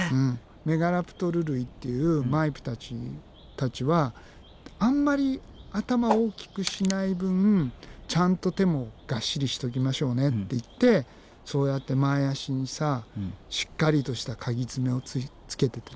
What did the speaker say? メガラプトル類っていうマイプたちはあんまり頭大きくしない分ちゃんと手もガッシリしときましょうねっていってそうやって前あしにさしっかりとしたカギ爪をつけててね。